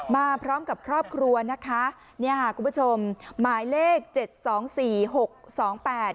มาพร้อมกับครอบครัวนะคะเนี่ยค่ะคุณผู้ชมหมายเลขเจ็ดสองสี่หกสองแปด